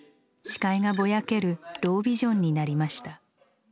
視界がぼやける「ロービジョン」になりました。